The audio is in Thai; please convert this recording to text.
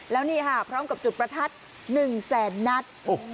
แล้วนี่ค่ะพร้อมกับจุดประทัด๑แสนนัด